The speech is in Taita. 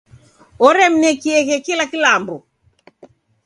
Oremnekieghe kila kilambo.